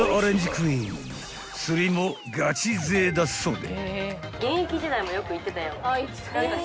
クイーン釣りもガチ勢だそうで］